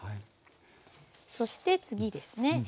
そして次ですね。